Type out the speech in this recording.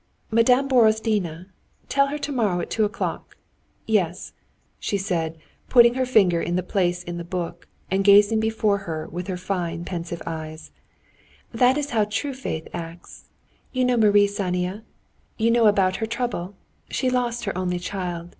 "Madame Borozdina? Tell her, tomorrow at two o'clock. Yes," she said, putting her finger in the place in the book, and gazing before her with her fine pensive eyes, "that is how true faith acts. You know Marie Sanina? You know about her trouble? She lost her only child.